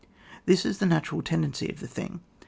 This is the natural tendency of the thing.